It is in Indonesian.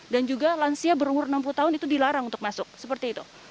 dan juga lansia berumur enam puluh tahun itu dilarang untuk masuk seperti itu